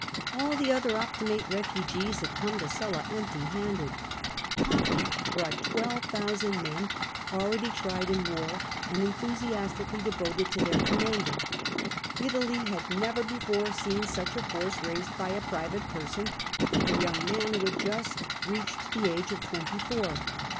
All the other Optimate refugees had come to Sulla empty handed. Pompey brought 12,000 men already tried in war, and enthusiastically devoted to their commander. Italy had never before seen such a force raised by a private person, a young man who had but just reached the age of twenty four.